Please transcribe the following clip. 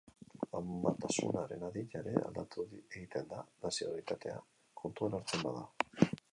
Amatasunaren adina ere aldatu egiten da nazionalitatea kontuan hartzen bada.